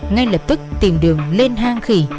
ngay lập tức tìm đường lên hang khỉ